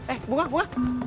eh bunga bunga